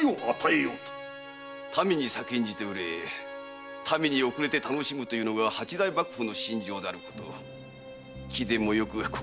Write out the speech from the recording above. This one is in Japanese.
「民に先んじて憂え民に遅れて楽しむ」というのが八代幕府の信条であること貴殿もよく心得ているはず。